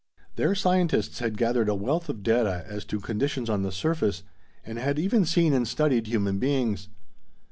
Their scientists had gathered a wealth of data as to conditions on the surface, and had even seen and studied human beings.